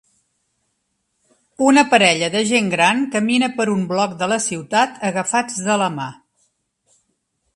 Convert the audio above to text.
Una parella de gent gran camina per un bloc de la ciutat, agafats de la mà.